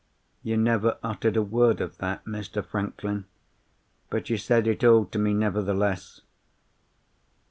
You never uttered a word of that, Mr. Franklin; but you said it all to me, nevertheless!